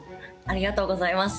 ありがとうございます。